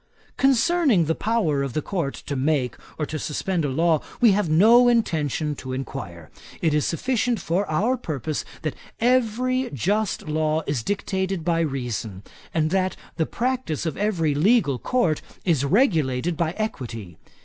'Concerning the power of the Court to make or to suspend a law, we have no intention to inquire. It is sufficient for our purpose that every just law is dictated by reason; and that the practice of every legal Court is regulated by equity.